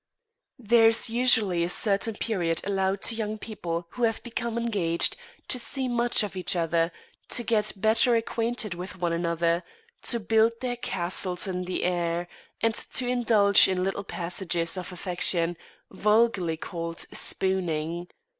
There is usually a certain period allowed to young people who have become engaged, to see much of each other, to get better acquainted with one another, to build their castles in the air, and to indulge in little passages of affection, vulgarly called "spooning."